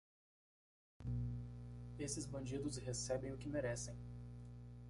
Esses bandidos recebem o que merecem.